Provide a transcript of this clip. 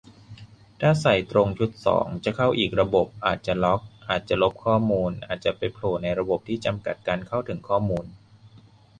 ถ้าใส่ตรงชุดสอง จะเข้าอีกระบบ อาจจะล็อก อาจจะลบข้อมูล อาจจะไปโผล่ในระบบที่จำกัดการเข้าถึงข้อมูล